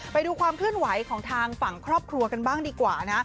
ไปดูความเคลื่อนไหวของทางฝั่งครอบครัวกันบ้างดีกว่านะ